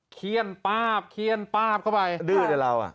เครียนป้าบเครียนป้าบเข้าไปดื้อเดี๋ยวแล้วอ่ะ